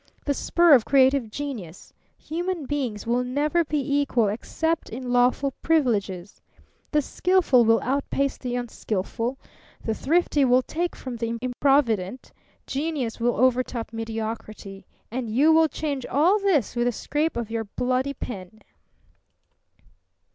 The spur of creative genius. Human beings will never be equal except in lawful privileges. The skillful will outpace the unskillful; the thrifty will take from the improvident; genius will overtop mediocrity. And you will change all this with a scrape of your bloody pen!"